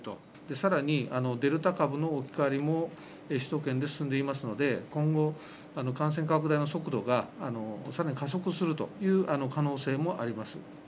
さらに、デルタ株の置き換わりも首都圏で進んでいますので、今後、感染拡大の速度がさらに加速するという可能性もあります。